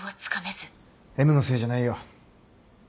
Ｍのせいじゃないよ。